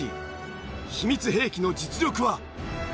秘密兵器の実力は？